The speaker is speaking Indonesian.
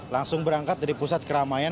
langsung berangkat dari pusat keramaian